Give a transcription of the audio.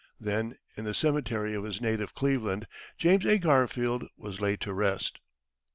Then in the cemetery of his native Cleveland, James A. Garfield was laid to rest.